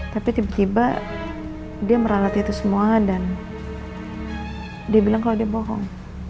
tapi tiba tiba dia meralat itu semua dan dia bilang kalau dia bohong